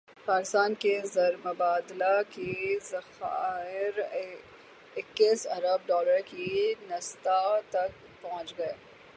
پاکستان کے زرمبادلہ کے ذخائر اکیس ارب ڈالر کی سطح تک پہنچ گئے